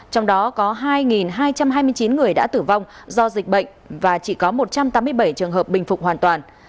trong đó có hai hai trăm hai mươi chín người đã tử vong do dịch bệnh và chỉ có một trăm tám mươi bảy trường hợp bình phục hoàn toàn